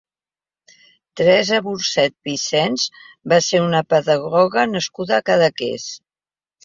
Teresa Burcet Vicens va ser una pedagoga nascuda a Cadaqués.